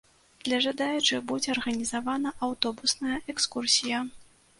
Для жадаючых будзе арганізавана аўтобусная экскурсія.